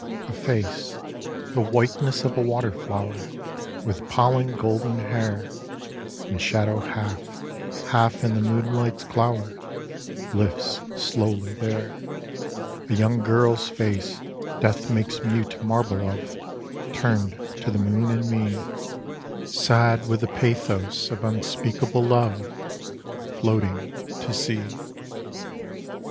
A face, the whiteness of a water flower, With pollen golden hair, In shadow half, half in the moonlight's glower, Lifts slowly there. A young girl's face, death makes mute marble of, Turned to the moon and me, Sad with the pathos of unspeakable love, Floating to sea.